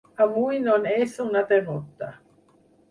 Avui no és una derrota.